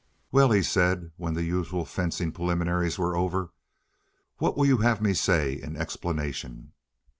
"Well," he said, when the usual fencing preliminaries were over, "what will you have me say in explanation?"